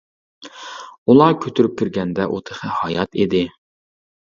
ئۇلار كۆتۈرۈپ كىرگەندە ئۇ تېخى ھايات ئىدى.